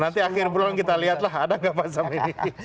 nanti akhir bulan kita lihat lah ada nggak pak assam ini